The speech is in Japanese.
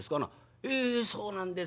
「ええそうなんです。